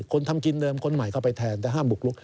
ทำกินเดิมคนใหม่เข้าไปแทนแต่ห้ามบุกลุก